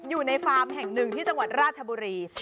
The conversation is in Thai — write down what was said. ฟาร์มแห่งหนึ่งที่จังหวัดราชบุรี